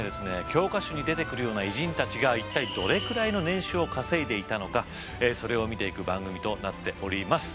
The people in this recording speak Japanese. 教科書に出てくるような偉人たちが一体どれくらいの年収を稼いでいたのかそれを見ていく番組となっております。